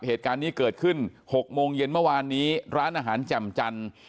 เหตุการณ์นี้เกิดขึ้น๖โมงเย็นเมื่อวานนี้ร้านอาหารแจ่มจันทร์